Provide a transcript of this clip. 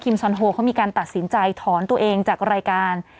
ซอนโฮเขามีการตัดสินใจถอนตัวเองจากรายการ